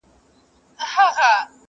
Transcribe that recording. o د غله ځاى په غره کي نسته٫